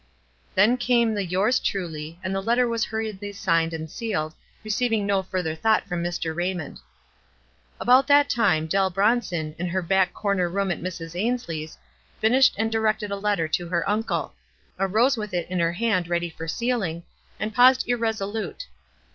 Then came the " Yours truly," and the letter was hurriedly signed and sealed, receiving no further thought from Mr. Raymond. About that time, Dell Bronson, in her back corner room at Mrs. Ainslie's, finished and di rected a letter to her uncle ; arose with it in her hand ready for sealing, and paused irreso lute.